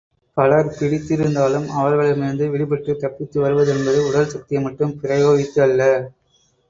பலர் பிடித்திருந்தாலும் அவர்களிடமிருந்து விடுபட்டுத் தப்பித்து வருவதென்பது உடல் சக்தியை மட்டும் பிரயோகித்து அல்ல.